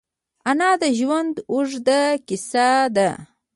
انا د ژوند اوږده کیسه ده